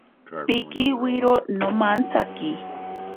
Pinkiwiro nomantsaki.